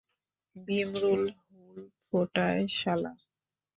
ভীমরুল হুল ফোটায়, শালা!